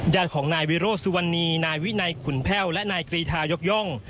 ญาติของนายวิโรธสุวรรณีนายวินัยขุนแพ่วและนายกรีทายกย่อง